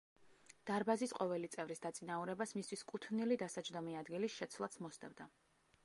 დარბაზის ყოველი წევრის დაწინაურებას მისთვის კუთვნილი დასაჯდომი ადგილის შეცვლაც მოსდევდა.